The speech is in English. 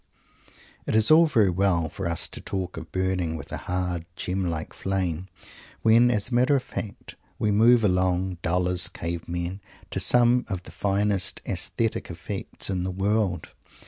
It is all very well for us to talk of "burning with a hard gem like flame," when, as a matter of fact, we move along, dull as cave men, to some of the finest aesthetic effects in the world.